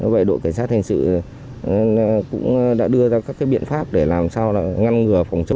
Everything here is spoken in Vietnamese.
vậy đội cảnh sát thành sự cũng đã đưa ra các biện pháp để làm sao ngăn ngừa phòng chống